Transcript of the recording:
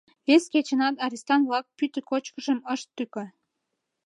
Вес кечынат арестант-влак пӱтӧ кочкышым ышт тӱкӧ.